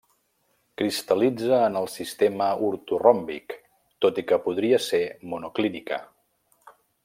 Cristal·litza en el sistema ortoròmbic, tot i que podria ser monoclínica.